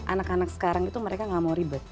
anak anak sekarang itu mereka gak mau ribet